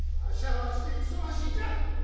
わしはわしで忙しいんじゃ。